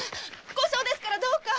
後生ですからどうか！